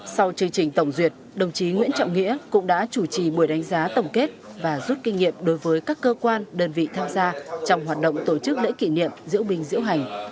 sau chương trình tổng duyệt đồng chí nguyễn trọng nghĩa cũng đã chủ trì buổi đánh giá tổng kết và rút kinh nghiệm đối với các cơ quan đơn vị tham gia trong hoạt động tổ chức lễ kỷ niệm diễu binh diễu hành